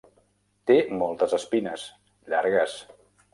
Té moltes espines, llargues.